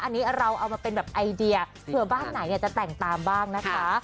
อันนี้เราเอามาเป็นแบบไอเดียเผื่อบ้านไหนจะแต่งตามบ้างนะคะ